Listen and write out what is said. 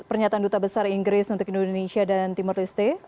pernyataan duta besar inggris untuk indonesia dan timur leste